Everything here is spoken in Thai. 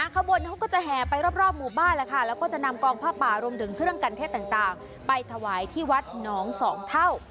ขบวนเขาก็จะแห่ไปรอบหมู่บ้านแล้วค่ะแล้วก็จะนำกองผ้าป่ารวมถึงเครื่องกันเทศต่างไปถวายที่วัดหนองสองเท่า